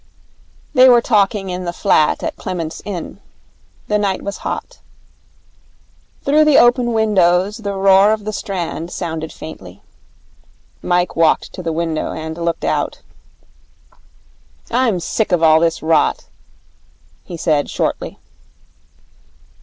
They were talking in the flat at Clement's Inn. The night was hot. Through the open windows the roar of the Strand sounded faintly. Mike walked to the window and looked out. 'I'm sick of all this rot,' he said shortly.